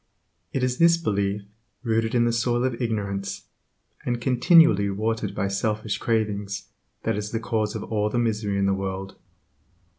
It is this belief, rooted in the soil of ignorance, and continually watered by selfish cravings, that is the cause of all the misery in the world.